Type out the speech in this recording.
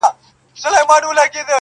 کهيېتخمونهدګناهدلتهکرليبيانو-